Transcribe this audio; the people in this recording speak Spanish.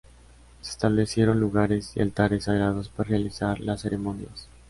Se establecieron lugares y altares sagrados para realizar las ceremonias.